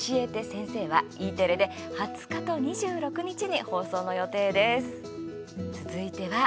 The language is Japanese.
せんせい」はＥテレで２０日と２６日に放送の予定です。